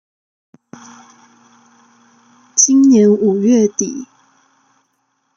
今年五月底